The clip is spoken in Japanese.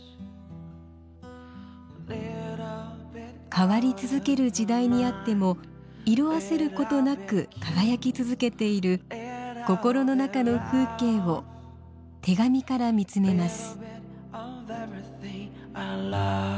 変わり続ける時代にあっても色あせることなく輝き続けている心の中の風景を手紙から見つめます。